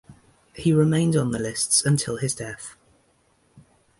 He remained on the lists until his death.